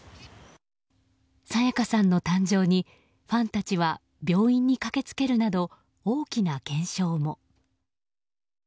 沙也加さんの誕生にファンたちは病院に駆けつけるなど大きな現象も。